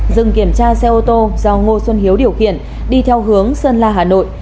dừng kiểm tra xe ô tô do ngô xuân hiếu điều khiển đi theo hướng sơn la hà nội